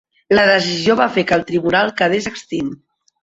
La decisió va fer que el Tribunal quedés extint.